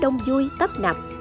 trong vui tấp nập